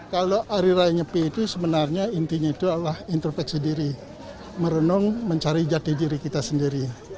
kalau arirainya p itu sebenarnya intinya itu adalah introveksi diri merenung mencari jati diri kita sendiri